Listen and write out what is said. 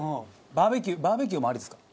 バーベキューバーベキューもありですか？